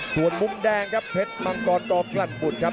ส่วนมุมแดงครับเพชรมังกรตอกลั่นบุตรครับ